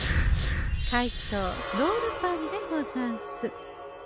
「怪盗ロールパン」でござんす。